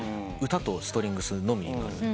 歌とストリングスのみ。